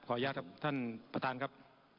อนุญาตครับท่านประธานครับ